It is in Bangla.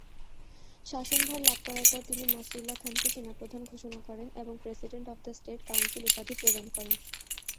শাসনভার লাভ করার পর তিনি নাসরুল্লাহ খানকে সেনাপ্রধান ঘোষণা করেন এবং president of the state council উপাধি প্রদান করেন।